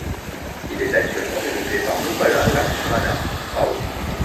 Il est actuellement dirigé par Muppala Lakshmana Rao.